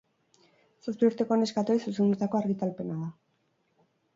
Zazpi urteko neskatoei zuzendutako argitalpena da.